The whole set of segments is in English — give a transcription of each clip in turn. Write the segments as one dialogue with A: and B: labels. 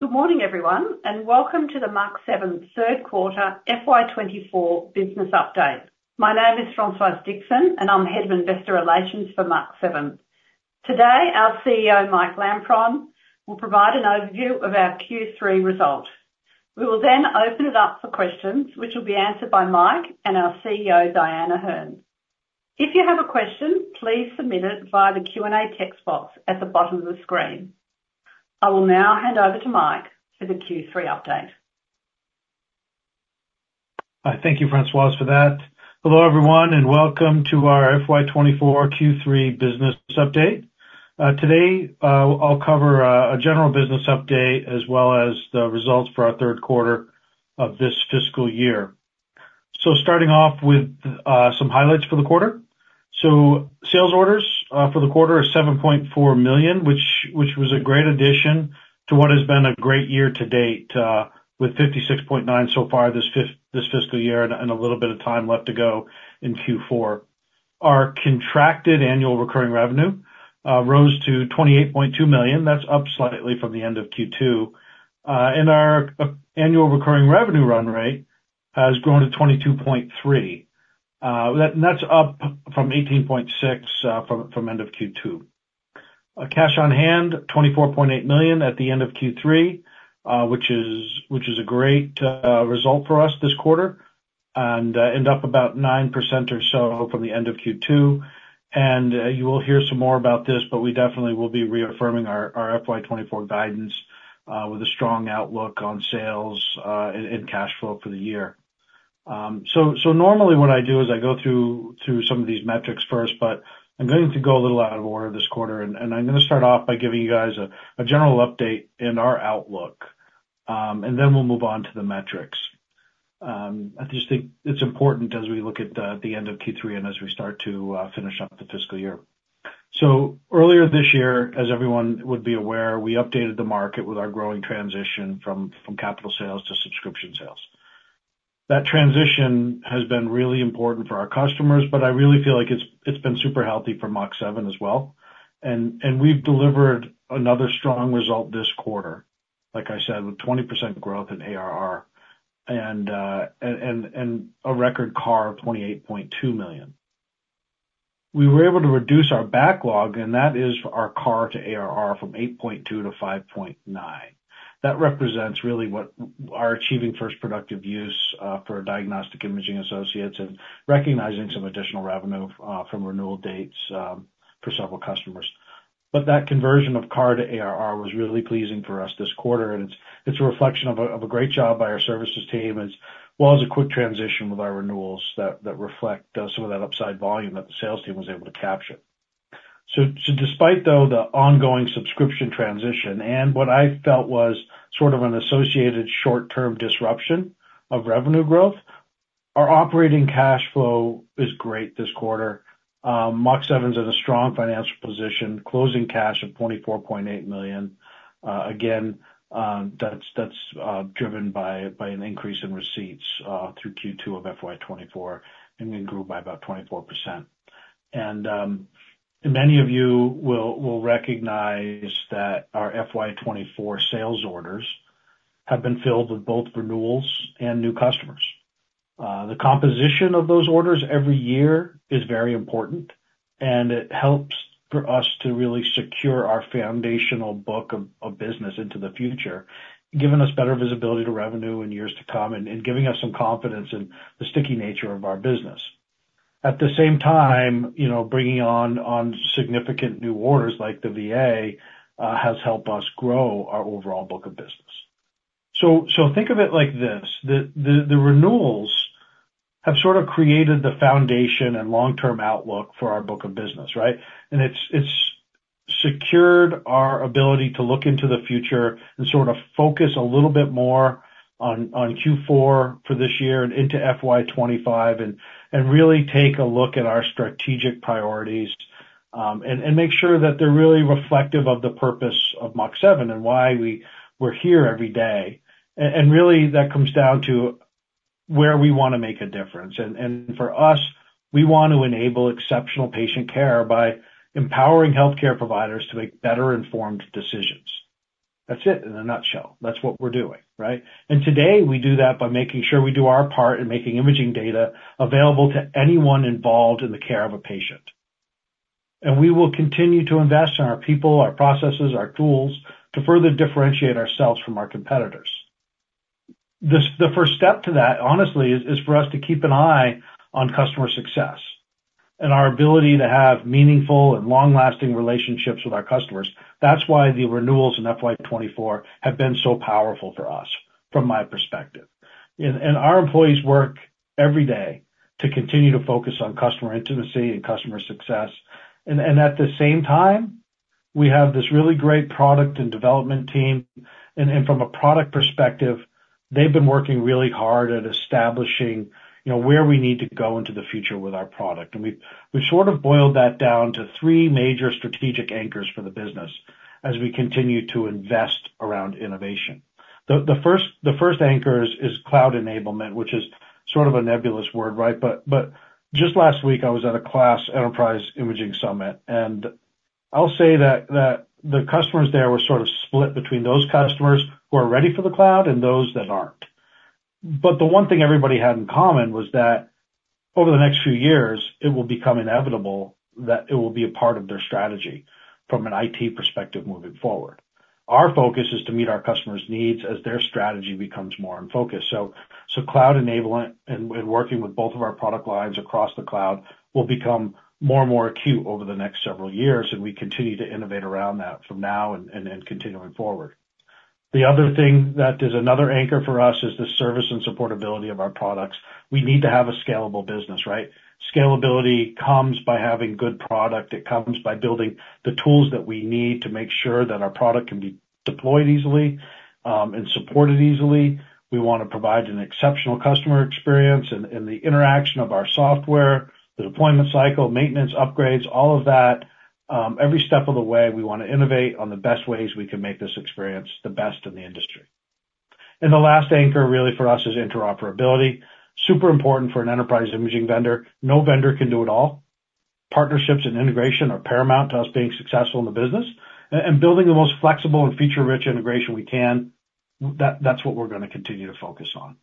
A: Good morning, everyone, and welcome to the Mach7 Third Quarter FY24 Business Update. My name is Françoise Dixon, and I'm head of investor relations for Mach7. Today our CEO Mike Lampron will provide an overview of our Q3 result. We will then open it up for questions, which will be answered by Mike and our CFO Dyan O'Herne. If you have a question, please submit it via the Q&A text box at the bottom of the screen. I will now hand over to Mike for the Q3 update.
B: Hi, thank you Françoise for that. Hello everyone, and welcome to our FY24 Q3 Business Update. Today I'll cover a general business update as well as the results for our third quarter of this fiscal year. So starting off with some highlights for the quarter. So sales orders for the quarter are 7.4 million, which was a great addition to what has been a great year to date with 56.9 million so far this fiscal year and a little bit of time left to go in Q4. Our contracted annual recurring revenue rose to 28.2 million. That's up slightly from the end of Q2. And our annual recurring revenue run rate has grown to 22.3 million. That's up from 18.6 million from end of Q2. Cash on hand, 24.8 million at the end of Q3, which is a great result for us this quarter and end up about 9% or so from the end of Q2. You will hear some more about this, but we definitely will be reaffirming our FY24 guidance with a strong outlook on sales and cash flow for the year. Normally what I do is I go through some of these metrics first, but I'm going to go a little out of order this quarter. I'm going to start off by giving you guys a general update in our outlook, and then we'll move on to the metrics. I just think it's important as we look at the end of Q3 and as we start to finish up the fiscal year. So earlier this year, as everyone would be aware, we updated the market with our growing transition from capital sales to subscription sales. That transition has been really important for our customers, but I really feel like it's been super healthy for Mach7 as well. And we've delivered another strong result this quarter, like I said, with 20% growth in ARR and a record CAR of 28.2 million. We were able to reduce our backlog, and that is our CAR to ARR from 8.2-5.9. That represents really what our achieving first productive use for Diagnostic Imaging Associates and recognizing some additional revenue from renewal dates for several customers. But that conversion of CAR to ARR was really pleasing for us this quarter, and it's a reflection of a great job by our services team as well as a quick transition with our renewals that reflect some of that upside volume that the sales team was able to capture. So despite, though, the ongoing subscription transition and what I felt was sort of an associated short-term disruption of revenue growth, our operating cash flow is great this quarter. Mach7 is in a strong financial position, closing cash of 24.8 million. Again, that's driven by an increase in receipts through Q2 of FY 2024, and we grew by about 24%. And many of you will recognize that our FY 2024 sales orders have been filled with both renewals and new customers. The composition of those orders every year is very important, and it helps for us to really secure our foundational book of business into the future, giving us better visibility to revenue in years to come and giving us some confidence in the sticky nature of our business. At the same time, bringing on significant new orders like the VA has helped us grow our overall book of business. So think of it like this: the renewals have sort of created the foundation and long-term outlook for our book of business, right? And it's secured our ability to look into the future and sort of focus a little bit more on Q4 for this year and into FY25 and really take a look at our strategic priorities and make sure that they're really reflective of the purpose of Mach7 and why we're here every day. Really, that comes down to where we want to make a difference. For us, we want to enable exceptional patient care by empowering healthcare providers to make better-informed decisions. That's it in a nutshell. That's what we're doing, right? Today we do that by making sure we do our part and making imaging data available to anyone involved in the care of a patient. We will continue to invest in our people, our processes, our tools to further differentiate ourselves from our competitors. The first step to that, honestly, is for us to keep an eye on customer success and our ability to have meaningful and long-lasting relationships with our customers. That's why the renewals in FY24 have been so powerful for us, from my perspective. Our employees work every day to continue to focus on customer intimacy and customer success. At the same time, we have this really great product and development team. From a product perspective, they've been working really hard at establishing where we need to go into the future with our product. We've sort of boiled that down to three major strategic anchors for the business as we continue to invest around innovation. The first anchor is cloud enablement, which is sort of a nebulous word, right? Just last week, I was at a KLAS Enterprise Imaging Summit, and I'll say that the customers there were sort of split between those customers who are ready for the cloud and those that aren't. The one thing everybody had in common was that over the next few years, it will become inevitable that it will be a part of their strategy from an IT perspective moving forward. Our focus is to meet our customers' needs as their strategy becomes more in focus. So cloud enablement and working with both of our product lines across the cloud will become more and more acute over the next several years, and we continue to innovate around that from now and continuing forward. The other thing that is another anchor for us is the service and supportability of our products. We need to have a scalable business, right? Scalability comes by having good product. It comes by building the tools that we need to make sure that our product can be deployed easily and supported easily. We want to provide an exceptional customer experience. And the interaction of our software, the deployment cycle, maintenance, upgrades, all of that, every step of the way, we want to innovate on the best ways we can make this experience the best in the industry. The last anchor, really, for us is interoperability, super important for an enterprise imaging vendor. No vendor can do it all. Partnerships and integration are paramount to us being successful in the business. And building the most flexible and feature-rich integration we can, that's what we're going to continue to focus on.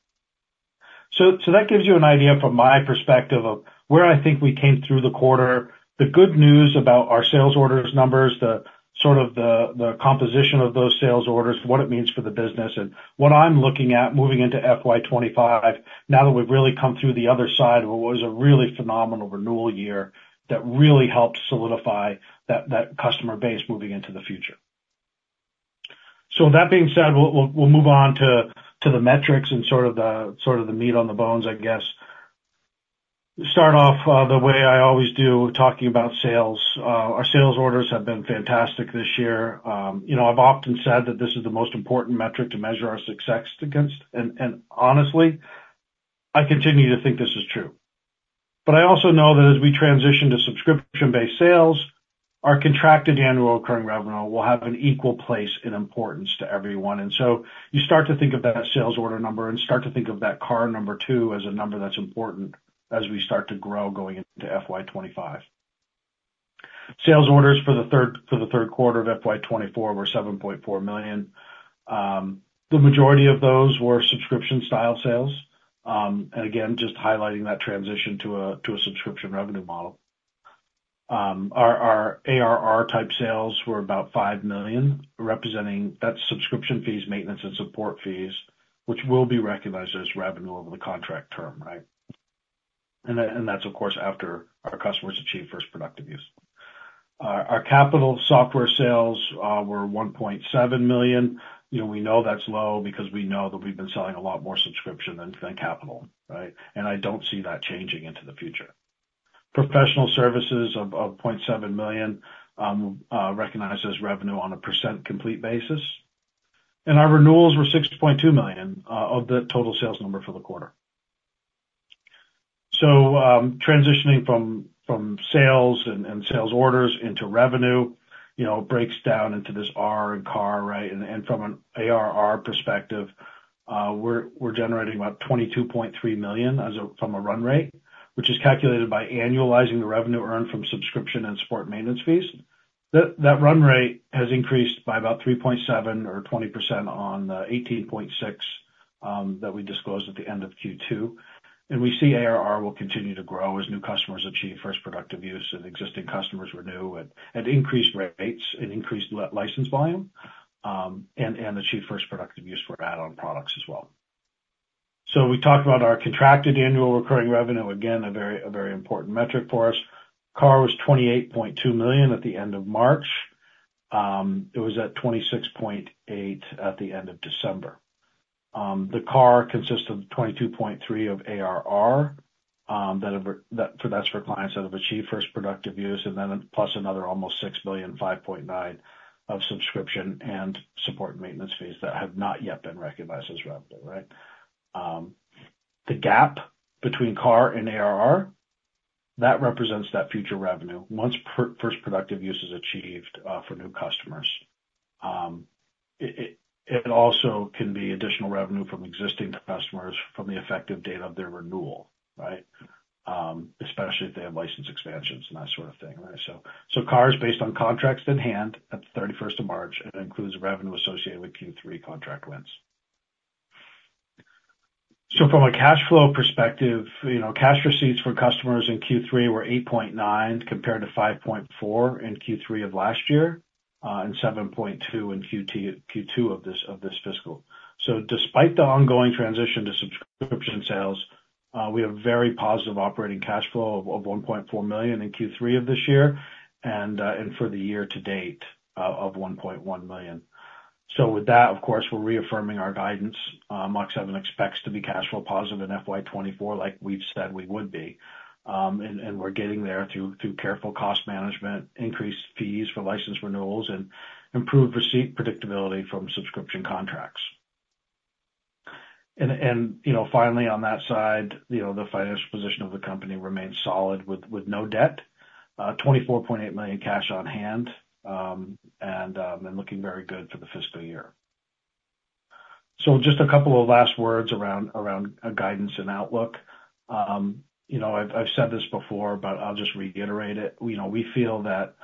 B: So that gives you an idea from my perspective of where I think we came through the quarter. The good news about our sales orders numbers, sort of the composition of those sales orders, what it means for the business, and what I'm looking at moving into FY25 now that we've really come through the other side of what was a really phenomenal renewal year that really helped solidify that customer base moving into the future. So that being said, we'll move on to the metrics and sort of the meat on the bones, I guess. Start off the way I always do, talking about sales. Our sales orders have been fantastic this year. I've often said that this is the most important metric to measure our success against. Honestly, I continue to think this is true. But I also know that as we transition to subscription-based sales, our contracted annual recurring revenue will have an equal place in importance to everyone. So you start to think of that sales order number and start to think of that CAR number, too, as a number that's important as we start to grow going into FY 2025. Sales orders for the third quarter of FY 2024 were 7.4 million. The majority of those were subscription-style sales. And again, just highlighting that transition to a subscription revenue model. Our ARR-type sales were about 5 million, representing that's subscription fees, maintenance, and support fees, which will be recognized as revenue over the contract term, right? And that's, of course, after our customers achieve first productive use. Our capital software sales were 1.7 million. We know that's low because we know that we've been selling a lot more subscription than capital, right? And I don't see that changing into the future. Professional services of 0.7 million recognized as revenue on a percent complete basis. And our renewals were 6.2 million of the total sales number for the quarter. So transitioning from sales and sales orders into revenue breaks down into this ARR and CAR, right? And from an ARR perspective, we're generating about 22.3 million from a run rate, which is calculated by annualizing the revenue earned from subscription and support maintenance fees. That run rate has increased by about 3.7 million or 20% on the 18.6 million that we disclosed at the end of Q2. We see ARR will continue to grow as new customers achieve first productive use and existing customers renew at increased rates and increased license volume and achieve first productive use for add-on products as well. We talked about our contracted annual recurring revenue, again, a very important metric for us. CAR was 28.2 million at the end of March. It was at 26.8 million at the end of December. The CAR consists of 22.3 million of ARR. That's for clients that have achieved first productive use, plus another almost 6.5 million of subscription and support and maintenance fees that have not yet been recognized as revenue, right? The gap between CAR and ARR, that represents that future revenue once first productive use is achieved for new customers. It also can be additional revenue from existing customers from the effective date of their renewal, right? Especially if they have license expansions and that sort of thing, right? So CAR is based on contracts in hand at the 31st of March. It includes revenue associated with Q3 contract wins. So from a cash flow perspective, cash receipts for customers in Q3 were 8.9 million compared to 5.4 million in Q3 of last year and 7.2 million in Q2 of this fiscal. So despite the ongoing transition to subscription sales, we have very positive operating cash flow of 1.4 million in Q3 of this year and for the year to date of 1.1 million. So with that, of course, we're reaffirming our guidance. Mach7 expects to be cash flow positive in FY24 like we've said we would be. We're getting there through careful cost management, increased fees for license renewals, and improved receipt predictability from subscription contracts. Finally, on that side, the financial position of the company remains solid with no debt, 24.8 million cash on hand, and looking very good for the fiscal year. Just a couple of last words around guidance and outlook. I've said this before, but I'll just reiterate it. We feel that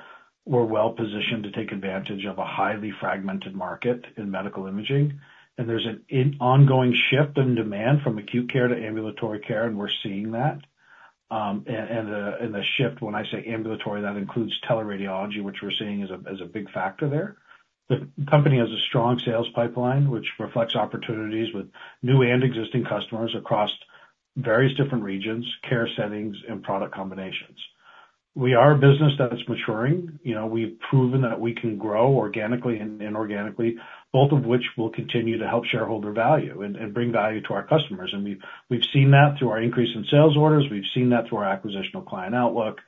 B: we're well positioned to take advantage of a highly fragmented market in medical imaging. There's an ongoing shift in demand from acute care to ambulatory care, and we're seeing that. The shift, when I say ambulatory, that includes teleradiology, which we're seeing as a big factor there. The company has a strong sales pipeline, which reflects opportunities with new and existing customers across various different regions, care settings, and product combinations. We are a business that's maturing. We've proven that we can grow organically and inorganically, both of which will continue to help shareholder value and bring value to our customers. We've seen that through our increase in sales orders. We've seen that through our acquisitional client outlook.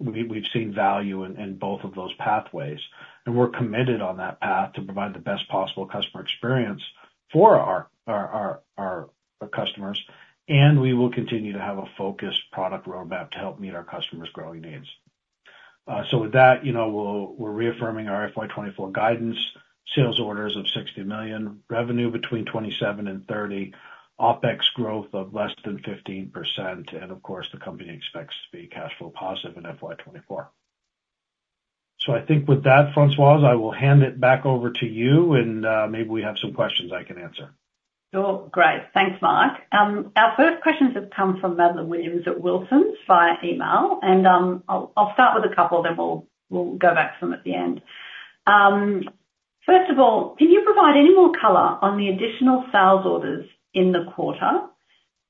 B: We've seen value in both of those pathways. We're committed on that path to provide the best possible customer experience for our customers. We will continue to have a focused product roadmap to help meet our customers' growing needs. With that, we're reaffirming our FY24 guidance, sales orders of 60 million, revenue between 27 million and 30 million, OPEX growth of less than 15%. Of course, the company expects to be cash flow positive in FY24. I think with that, Françoise, I will hand it back over to you, and maybe we have some questions I can answer. Great.
A: Thanks, Mark. Our first questions have come from Madeleine Williams at Wilsons via email. I'll start with a couple, then we'll go back to them at the end. First of all, can you provide any more color on the additional sales orders in the quarter?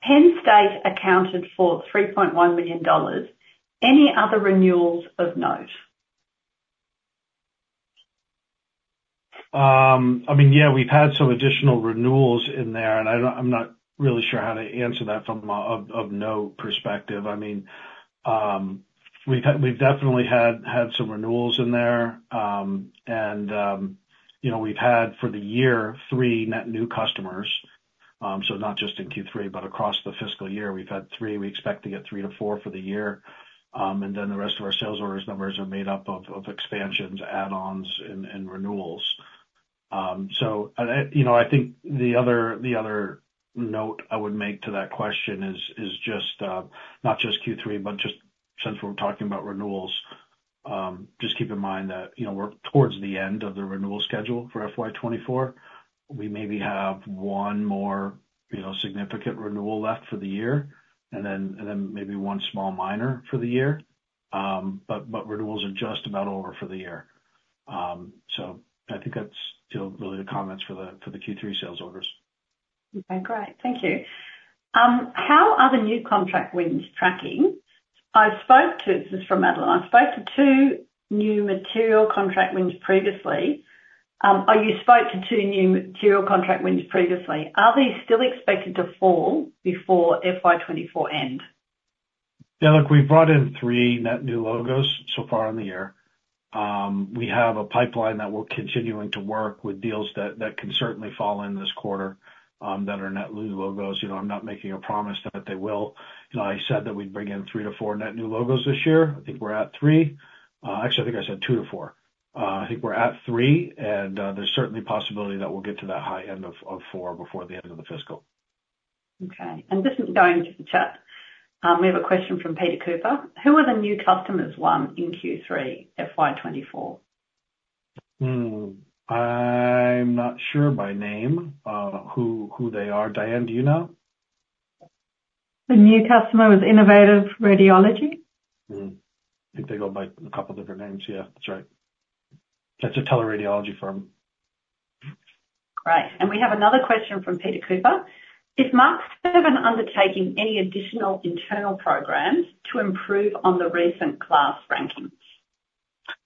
A: Penn State accounted for $3.1 million. Any other renewals of note?
B: We've had some additional renewals in there, and I'm not really sure how to answer that from a no perspective. I mean, we've definitely had some renewals in there. And we've had, for the year, 3 net new customers. So not just in Q3, but across the fiscal year, we've had 3. We expect to get 3-4 for the year. And then the rest of our sales orders numbers are made up of expansions, add-ons, and renewals. So I think the other note I would make to that question is not just Q3, but just since we're talking about renewals, just keep in mind that we're towards the end of the renewal schedule for FY24. We maybe have one more significant renewal left for the year and then maybe 1 small minor for the year. But renewals are just about over for the year. That's really the comments for the Q3 sales orders.
A: Okay. Great. Thank you. How are the new contract wins tracking? This is from Madeleine. I spoke to two new material contract wins previously. You spoke to two new material contract wins previously. Are these still expected to fall before FY24 end?
B: Yeah. Look, we've brought in 3 net new logos so far in the year. We have a pipeline that we're continuing to work with deals that can certainly fall in this quarter that are net new logos. I'm not making a promise that they will. I said that we'd bring in 3-4 net new logos this year. I think we're at 3. Actually, I think I said 2-4. I think we're at 3, and there's certainly possibility that we'll get to that high end of 4 before the end of the fiscal.
A: Okay. This is going to the chat. We have a question from Peter Cooper. Who are the new customers won in Q3 FY24?
B: I'm not sure by name who they are. Dyan, do you know?
C: The new customer was Innovative Radiology.
B: I think they go by a couple of different names. Yeah, that's right. That's a teleradiology firm.
A: Great. We have another question from Peter Cooper. Is Mach7 undertaking any additional internal programs to improve on the recent KLAS rankings?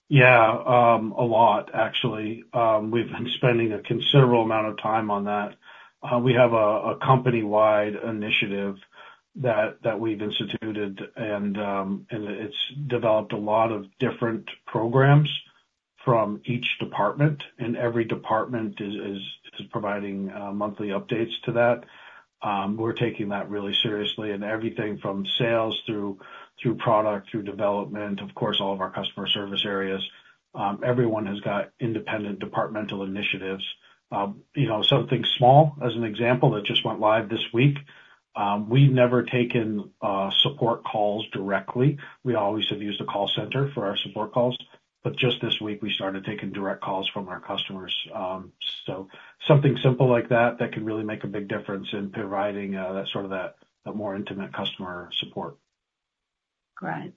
B: Yeah, a lot, actually. We've been spending a considerable amount of time on that. We have a company-wide initiative that we've instituted, and it's developed a lot of different programs from each department. Every department is providing monthly updates to that. We're taking that really seriously. Everything from sales through product through development, of course, all of our customer service areas, everyone has got independent departmental initiatives. Something small, as an example, that just went live this week. We've never taken support calls directly. We always have used a call center for our support calls. But just this week, we started taking direct calls from our customers. So something simple like that can really make a big difference in providing sort of that more intimate customer support.
A: Great.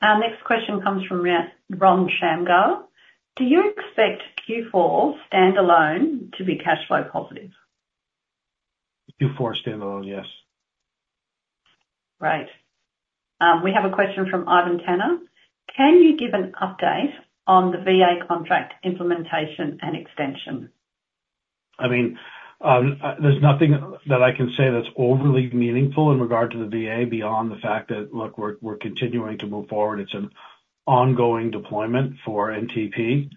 A: Next question comes from Ron Shamgar. Do you expect Q4 standalone to be cash flow positive?
B: Q4 standalone, yes.
A: Great. We have a question from Ivan Tanner. Can you give an update on the VA contract implementation and extension?
B: I mean, there's nothing that I can say that's overly meaningful in regard to the VA beyond the fact that, look, we're continuing to move forward. It's an ongoing deployment for NTP.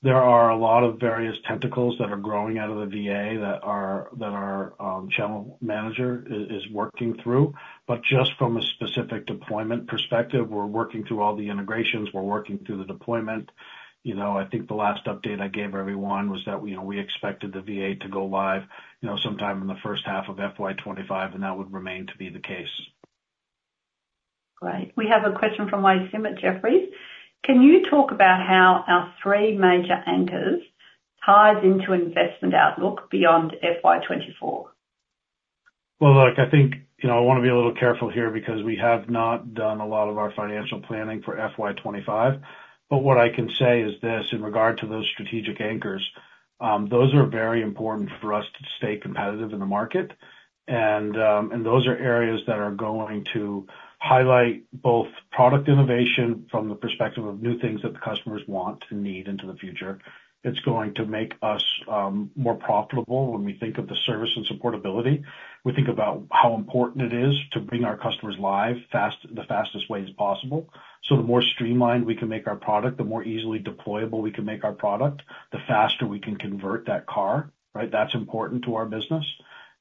B: There are a lot of various tentacles that are growing out of the VA that our channel manager is working through. But just from a specific deployment perspective, we're working through all the integrations. We're working through the deployment. I think the last update I gave everyone was that we expected the VA to go live sometime in the first half of FY25, and that would remain to be the case.
A: Great. We have a question from Wei Sim at Jefferies. Can you talk about how our three major anchors ties into investment outlook beyond FY24?
B: Well, look, I think I want to be a little careful here because we have not done a lot of our financial planning for FY25. But what I can say is this in regard to those strategic anchors. Those are very important for us to stay competitive in the market. And those are areas that are going to highlight both product innovation from the perspective of new things that the customers want and need into the future. It's going to make us more profitable when we think of the service and supportability. We think about how important it is to bring our customers live the fastest way as possible. So the more streamlined we can make our product, the more easily deployable we can make our product, the faster we can convert that CAR, right? That's important to our business.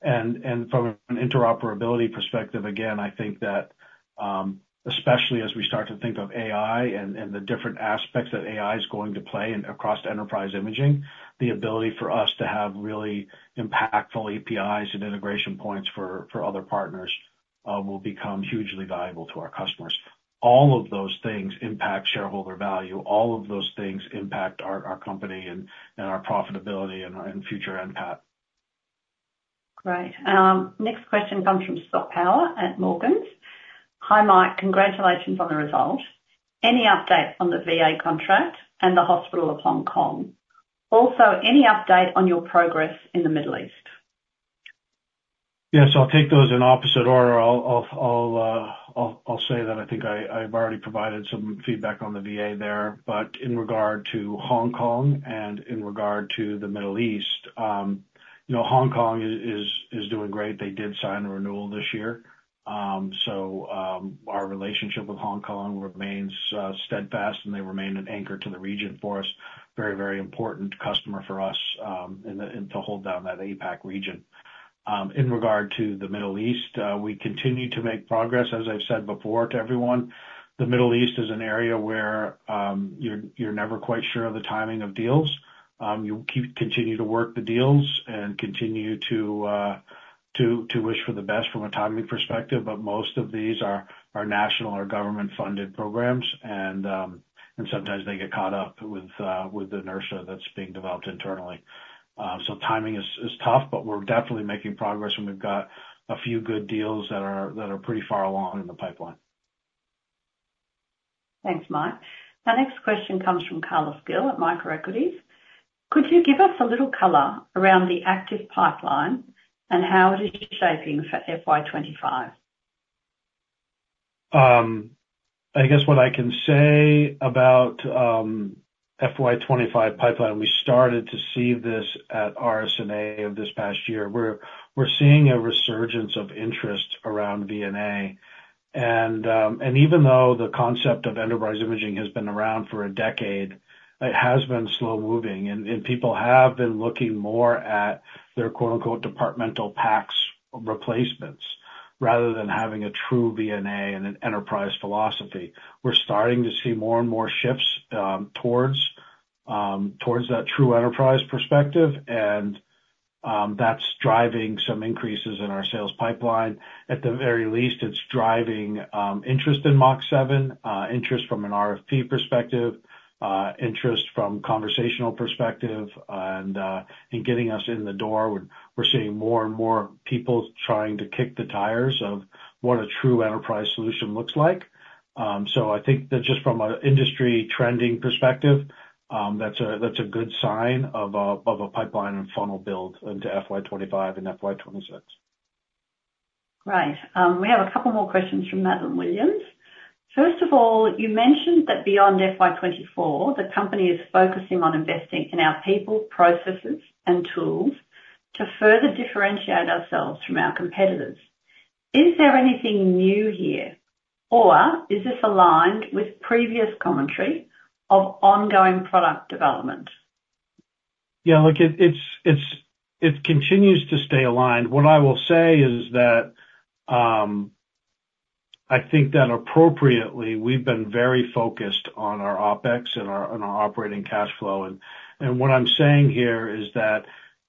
B: From an interoperability perspective, again, I think that especially as we start to think of AI and the different aspects that AI is going to play across enterprise imaging, the ability for us to have really impactful APIs and integration points for other partners will become hugely valuable to our customers. All of those things impact shareholder value. All of those things impact our company and our profitability and future NPAT.
A: Great. Next question comes from Scott Power at Morgans. Hi, Mike. Congratulations on the result. Any update on the VA contract and the hospital of Hong Kong? Also, any update on your progress in the Middle East?
B: Yeah. So I'll take those in opposite order. I'll say that I think I've already provided some feedback on the VA there. But in regard to Hong Kong and in regard to the Middle East, Hong Kong is doing great. They did sign a renewal this year. So our relationship with Hong Kong remains steadfast, and they remain an anchor to the region for us, very, very important customer for us to hold down that APAC region. In regard to the Middle East, we continue to make progress, as I've said before to everyone. The Middle East is an area where you're never quite sure of the timing of deals. You continue to work the deals and continue to wish for the best from a timing perspective. But most of these are national or government-funded programs, and sometimes they get caught up with the inertia that's being developed internally. Timing is tough, but we're definitely making progress, and we've got a few good deals that are pretty far along in the pipeline.
A: Thanks, Mark. Our next question comes from Carlos Gil at MicroEquities. Could you give us a little color around the active pipeline and how it is shaping for FY25?
B: I guess what I can say about FY25 pipeline, we started to see this at RSNA of this past year. We're seeing a resurgence of interest around VNA. Even though the concept of enterprise imaging has been around for a decade, it has been slow-moving. People have been looking more at their "departmental PACS" replacements rather than having a true VNA and an enterprise philosophy. We're starting to see more and more shifts towards that true enterprise perspective, and that's driving some increases in our sales pipeline. At the very least, it's driving interest in Mach7, interest from an RFP perspective, interest from a conversational perspective, and getting us in the door. We're seeing more and more people trying to kick the tires of what a true enterprise solution looks like. I think that just from an industry trending perspective, that's a good sign of a pipeline and funnel build into FY25 and FY26.
A: Great. We have a couple more questions from Madeleine Williams. First of all, you mentioned that beyond FY24, the company is focusing on investing in our people, processes, and tools to further differentiate ourselves from our competitors. Is there anything new here, or is this aligned with previous commentary of ongoing product development?
B: Yeah. Look, it continues to stay aligned. What I will say is that I think that appropriately, we've been very focused on our OPEX and our operating cash flow. And what I'm saying here is that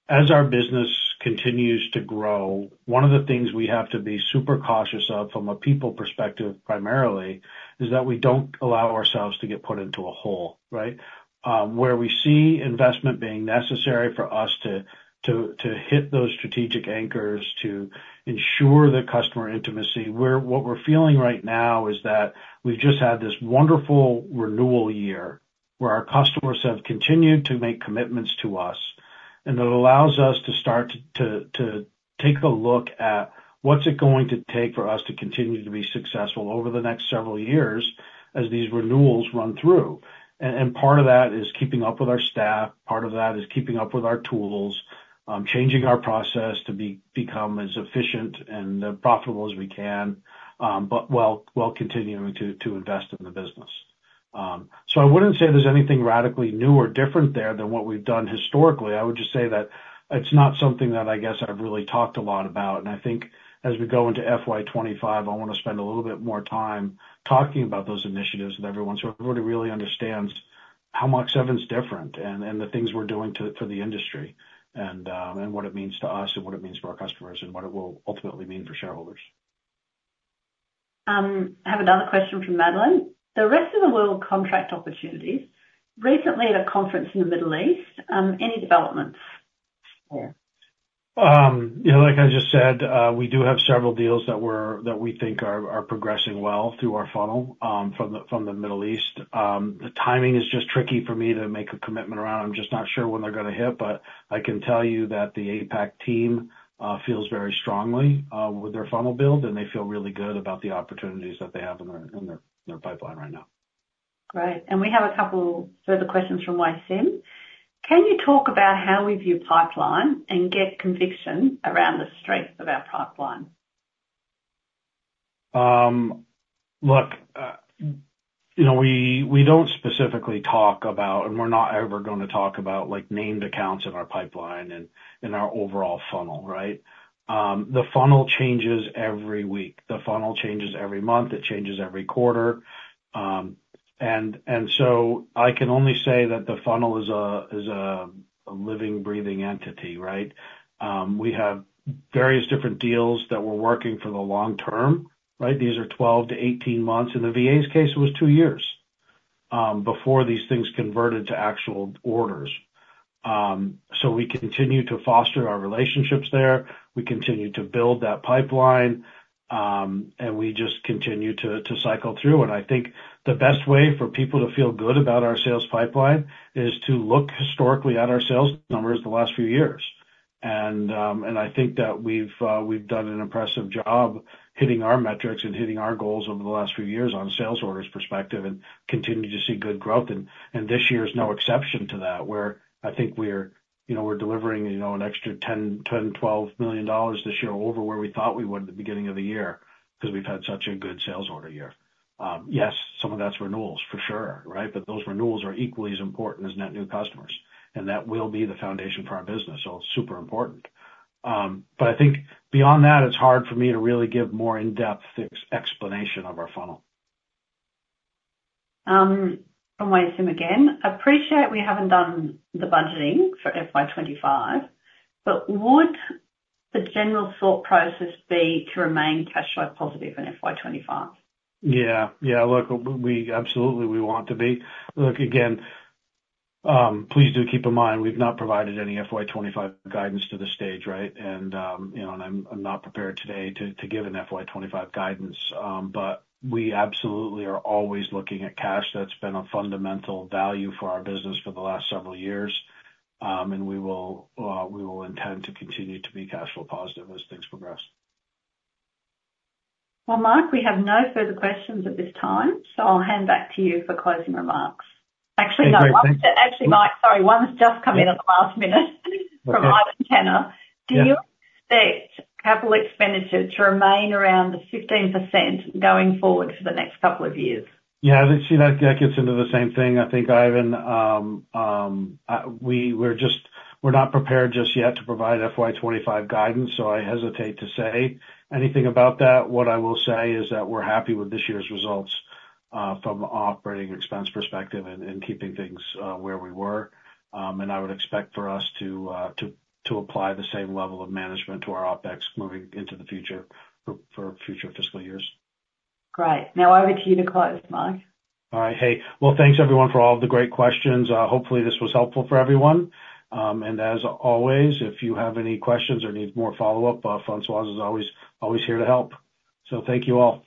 B: as our business continues to grow, one of the things we have to be super cautious of from a people perspective primarily is that we don't allow ourselves to get put into a hole, right? Where we see investment being necessary for us to hit those strategic anchors to ensure the customer intimacy, what we're feeling right now is that we've just had this wonderful renewal year where our customers have continued to make commitments to us. And it allows us to start to take a look at what's it going to take for us to continue to be successful over the next several years as these renewals run through. Part of that is keeping up with our staff. Part of that is keeping up with our tools, changing our process to become as efficient and profitable as we can while continuing to invest in the business. I wouldn't say there's anything radically new or different there than what we've done historically. I would just say that it's not something that I guess I've really talked a lot about. I think as we go into FY25, I want to spend a little bit more time talking about those initiatives with everyone so everybody really understands how Mach7 is different and the things we're doing for the industry and what it means to us and what it means for our customers and what it will ultimately mean for shareholders.
A: I have another question from Madeleine. The rest of the world contract opportunities. Recently, at a conference in the Middle East, any developments there?
B: Yeah. Like I just said, we do have several deals that we think are progressing well through our funnel from the Middle East. The timing is just tricky for me to make a commitment around. I'm just not sure when they're going to hit. But I can tell you that the APAC team feels very strongly with their funnel build, and they feel really good about the opportunities that they have in their pipeline right now.
A: Great. We have a couple further questions from Wai Sim. Can you talk about how we view pipeline and get conviction around the strength of our pipeline?
B: Look, we don't specifically talk about and we're not ever going to talk about named accounts in our pipeline and our overall funnel, right? The funnel changes every week. The funnel changes every month. It changes every quarter. And so I can only say that the funnel is a living, breathing entity, right? We have various different deals that we're working for the long term, right? These are 12-18 months. In the VA's case, it was two years before these things converted to actual orders. So we continue to foster our relationships there. We continue to build that pipeline, and we just continue to cycle through. And I think the best way for people to feel good about our sales pipeline is to look historically at our sales numbers the last few years. I think that we've done an impressive job hitting our metrics and hitting our goals over the last few years on a sales orders perspective and continue to see good growth. This year is no exception to that where I think we're delivering an extra $10 million-$12 million this year over where we thought we would at the beginning of the year because we've had such a good sales order year. Yes, some of that's renewals, for sure, right? But those renewals are equally as important as net new customers. That will be the foundation for our business. It's super important. But I think beyond that, it's hard for me to really give more in-depth explanation of our funnel.
A: From Wei Sim again, I appreciate we haven't done the budgeting for FY25, but would the general thought process be to remain cash flow positive in FY25?
B: Yeah. Yeah. Look, absolutely, we want to be. Look, again, please do keep in mind we've not provided any FY25 guidance to this stage, right? And I'm not prepared today to give an FY25 guidance. But we absolutely are always looking at cash. That's been a fundamental value for our business for the last several years. And we will intend to continue to be cash flow positive as things progress.
A: Well, Mark, we have no further questions at this time, so I'll hand back to you for closing remarks. Actually, no. Actually, Mike, sorry. One's just come in at the last minute from Ivan Tanner. Do you expect capital expenditure to remain around the 15% going forward for the next couple of years?
B: Yeah. See, that gets into the same thing. I think, Ivan, we're not prepared just yet to provide FY25 guidance, so I hesitate to say anything about that. What I will say is that we're happy with this year's results from an operating expense perspective and keeping things where we were. And I would expect for us to apply the same level of management to our OPEX moving into the future for future fiscal years.
A: Great. Now, over to you to close, Mark.
B: All right. Hey. Well, thanks, everyone, for all of the great questions. Hopefully, this was helpful for everyone. And as always, if you have any questions or need more follow-up, Françoise is always here to help. So thank you all.